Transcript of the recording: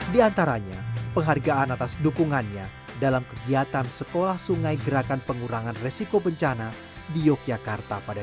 di antaranya penghargaan atas dukungannya dalam kegiatan sekolah sungai gerakan pengurangan resiko bencana di yogyakarta pada dua ribu dua puluh